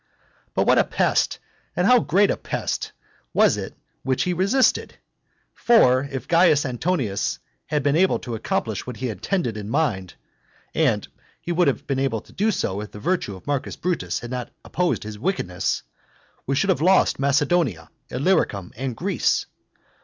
But what a pest, and how great a pest was it which he resisted? For if Caius Antonius had been able to accomplish what he intended in his mind, (and he would have been able to do so if the virtue of Marcus Brutus had not opposed his wickedness,) we should have lost Macedonia, Illyricum, and Greece.